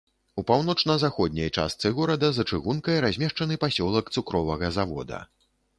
У паўночна-заходняй частцы горада за чыгункай размешчаны пасёлак цукровага завода.